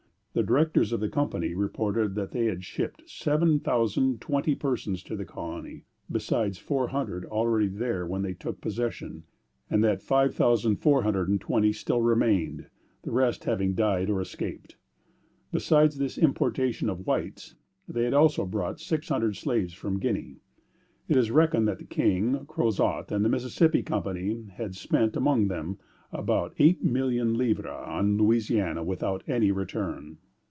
The directors of the Company reported that they had shipped 7,020 persons to the colony, besides four hundred already there when they took possession, and that 5,420 still remained, the rest having died or escaped. Besides this importation of whites, they had also brought six hundred slaves from Guinea. It is reckoned that the King, Crozat, and the Mississippi Company had spent among them about eight million livres on Louisiana, without any return.